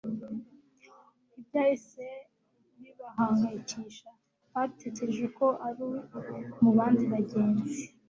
Ntibyahise bibahangayikisha, batekereje ko ari mu bandi bagenzi.